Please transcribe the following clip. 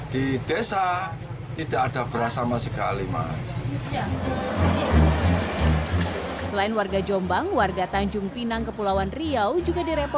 di desa tidak ada beras sama sekali mas selain warga jombang warga tanjung pinang kepulauan riau juga